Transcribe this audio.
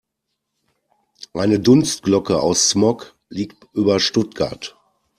Eine Dunstglocke aus Smog liegt über Stuttgart.